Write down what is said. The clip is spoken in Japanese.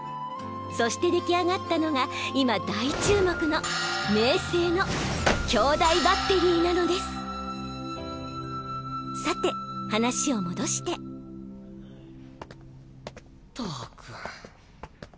そして出来上がったのが今大注目の明青の兄弟バッテリーなのですさて話を戻してったく。